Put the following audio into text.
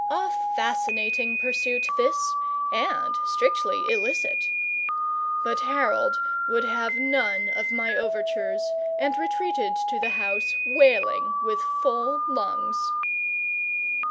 A fascinating pursuit this, and strictly illicit. But Harold would none of my overtures, and retreated to the house wailing with full lungs.